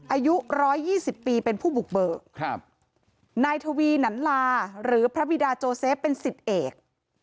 อายุร้อยยี่สิบปีเป็นผู้บุกเบิกครับนายทวีหนันลาหรือพระบิดาโจเซฟเป็นสิบเอก